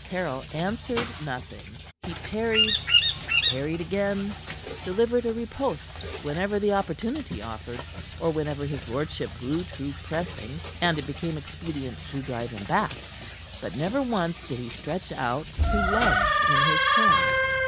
Caryll answered nothing; he parried; parried again; delivered a riposte whenever the opportunity offered, or whenever his lordship grew too pressing, and it became expedient to drive him back; but never once did he stretch out to lunge in his turn.